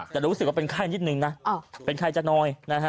แต่รู้สึกว่าเป็นใครนิดนึงนะเป็นใครจะน้อย